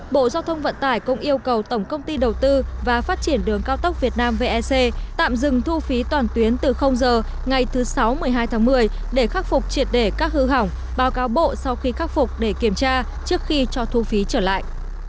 bộ giao thông vận tải cũng yêu cầu tổng công ty đầu tư và phát triển đường cao tốc việt nam vec tạm dừng thu phí toàn tuyến từ giờ ngày thứ sáu một mươi hai tháng một mươi để khắc phục triệt để các hư hỏng báo cáo bộ sau khi khắc phục để kiểm tra trước khi cho thu phí trở lại